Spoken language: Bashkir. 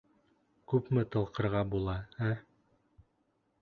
Күпме тылҡырға була, ә?